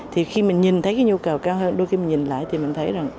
thì khi mình nhìn thấy cái nhu cầu cao hơn đôi khi mình nhìn lại thì mình thấy rằng